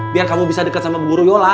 biar kamu bisa dekat sama guru yola